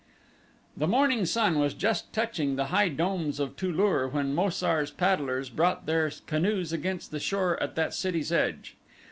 The morning sun was just touching the white domes of Tu lur when Mo sar's paddlers brought their canoes against the shore at the city's edge.